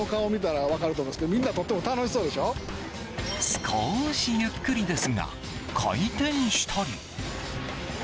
少しゆっくりですが回転したり。